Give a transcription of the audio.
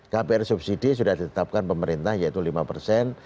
kpr subsidi sudah ditetapkan pemerintah yaitu lima persen